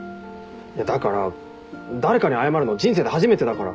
だから誰かに謝るの人生で初めてだから。